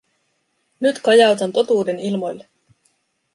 Nyt kajautan totuuden ilmoille.